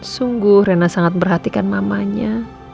sungguh rena sangat memperhatikan mamanya